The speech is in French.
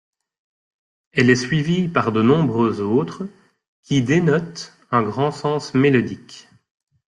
Elle est suivie par de nombreuses autres, qui dénotent un grand sens mélodique.